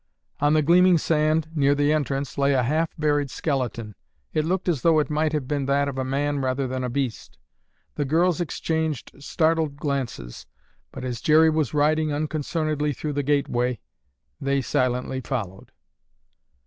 On the gleaming sand near the entrance lay a half buried skeleton. It looked as though it might have been that of a man rather than a beast. The girls exchanged startled glances, but, as Jerry was riding unconcernedly through the gateway, they silently followed.